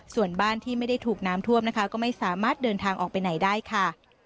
ส่วนบ้านที่ไม่ได้ถูกน้ำท่วมนะคะก็ไม่สามารถเดินทางออกไปไหนได้ค่ะ